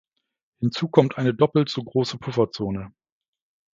Hinzu kommt eine doppelt so große Pufferzone.